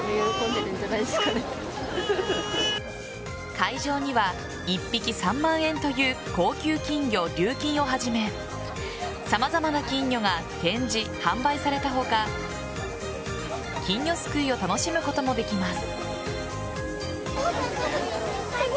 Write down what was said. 会場には１匹３万円という高級金魚・リュウキンをはじめ様々な金魚が展示・販売された他金魚すくいを楽しむこともできます。